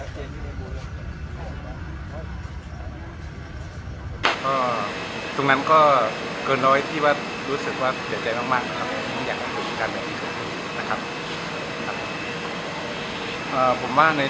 เท่านั้นก็เกิน๑๐๐๐ที่ว่ารู้สึกว่าเกอร์เจกใจมากนะครับนะครับผมด้าง